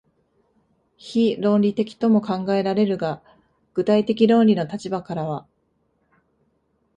非論理的とも考えられるが、具体的論理の立場からは、